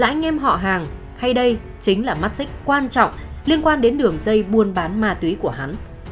là ai là anh em họ hàng hay đây chính là mắt xích quan trọng liên quan đến đường dây buôn bán ma túy của hắn